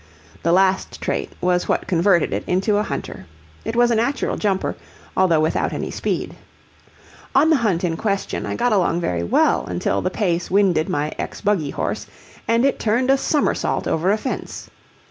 The last trait was what converted it into a hunter. It was a natural jumper, although without any speed. On the hunt in question I got along very well until the pace winded my ex buggy horse, and it turned a somersault over a fence.